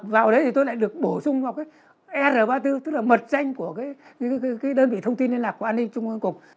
vào đấy thì tôi lại được bổ sung vào cái r ba mươi bốn tức là mật danh của cái đơn vị thông tin liên lạc của an ninh trung ương cục